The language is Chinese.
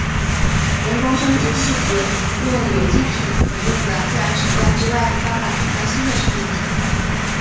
人工生殖是指用有机体可用的自然手段之外的方法创造新的生命体。